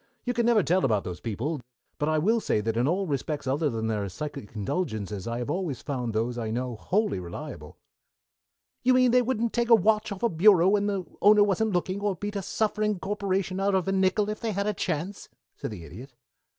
"You never can tell about those people, but I will say that in all respects other than their psychic indulgences I have always found those I know wholly reliable." "You mean they wouldn't take a watch off a bureau when the owner wasn't looking, or beat a suffering corporation out of a nickel if they had a chance?" said the Idiot.